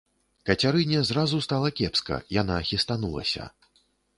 Кацярыне зразу стала кепска, яна хістанулася.